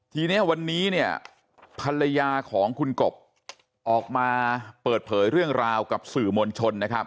ทีนี้วันนี้เนี่ยภรรยาของคุณกบออกมาเปิดเผยเรื่องราวกับสื่อมวลชนนะครับ